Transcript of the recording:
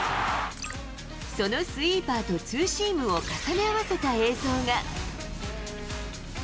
そのスイーパーとツーシームを重ね合わせた映像が。